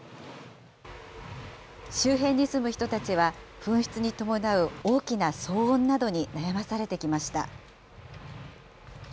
周辺に住む人たちは、噴出に伴う大きな騒音などに悩まされてきました。